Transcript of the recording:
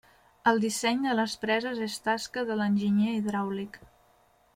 El disseny de les preses és tasca de l'enginyer hidràulic.